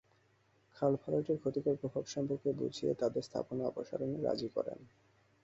খাল ভরাটের ক্ষতিকর প্রভাব সম্পর্কে বুঝিয়ে তাঁদের স্থাপনা অপসারণে রাজি করান।